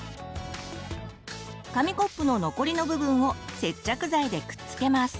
紙コップの残りの部分を接着剤でくっつけます。